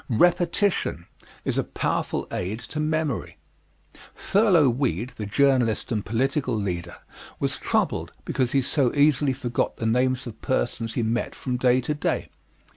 Repetition is a powerful aid to memory. Thurlow Weed, the journalist and political leader, was troubled because he so easily forgot the names of persons he met from day to day.